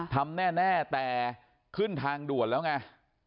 ทำแน่แต่ขึ้นทางด่วนแล้วไง